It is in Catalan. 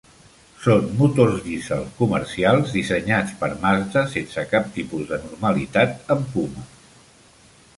Són motors Diesel comercials dissenyats per Mazda sense cap tipus de normalitat amb Puma.